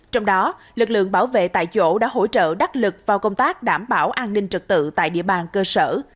trong đó lực lượng bảo vệ tại chỗ đã hỗ trợ đắc lực vào công tác đảm bảo an ninh trật tự tại địa bàn cơ sở